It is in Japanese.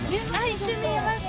一瞬見れました。